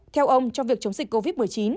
theo ông trong việc chống dịch covid một mươi chín